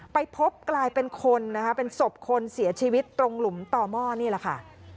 ไปพบกลายเป็นคนนะคะเป็นศพคนเสียชีวิตตรงหลุมต่อหม้อนี่แหละค่ะ